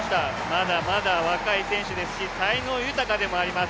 まだまだ若い選手ですし、才能豊かでもあります。